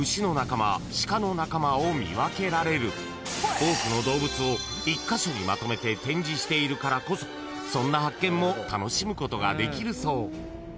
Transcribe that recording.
［多くの動物を一カ所にまとめて展示しているからこそそんな発見も楽しむことができるそう］